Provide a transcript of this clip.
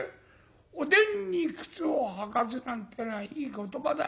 『おでんに沓を履かず』なんてえのはいい言葉だよ。